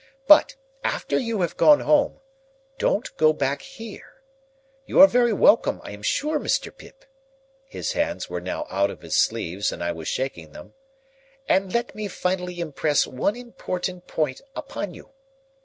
But, after you have gone home, don't go back here. You are very welcome, I am sure, Mr. Pip"; his hands were now out of his sleeves, and I was shaking them; "and let me finally impress one important point upon you."